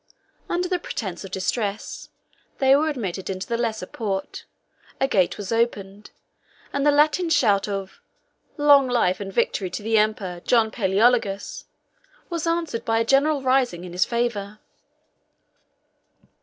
Under the pretence of distress, they were admitted into the lesser port; a gate was opened, and the Latin shout of, "Long life and victory to the emperor, John Palæologus!" was answered by a general rising in his favor.